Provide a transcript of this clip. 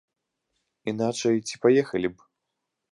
Іначай ці паехалі б?